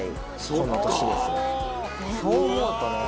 そう思うとね。